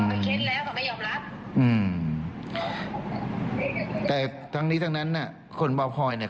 เค้นแล้วเขาก็ยอมรับอืมแต่ทั้งนี้ทั้งนั้นน่ะคนเบาพลอยเนี้ย